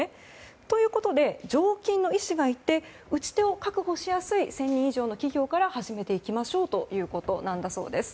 ということで常勤の医師がいて打ち手を確保しやすい１０００人以上の企業から始めていきましょうということなんだそうです。